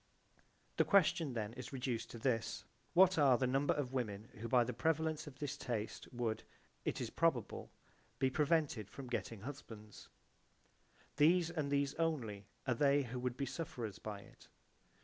J.B.) The question then is reduced to this. What are the number of women who by the prevalence of this taste would, it is probable, be prevented from getting husbands? These and these only are they who would be sufferers by it.